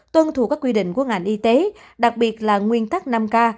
tuân thủ các quy định của ngành y tế đặc biệt là nguyên tắc năm k